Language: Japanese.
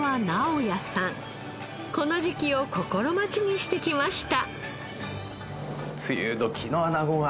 この時期を心待ちにしてきました。